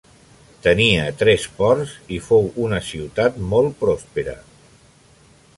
Tenia tres ports i fou una ciutat molt prospera.